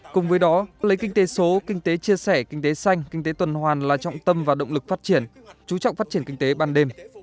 cùng với đó lấy kinh tế số kinh tế chia sẻ kinh tế xanh kinh tế tuần hoàn là trọng tâm và động lực phát triển chú trọng phát triển kinh tế ban đêm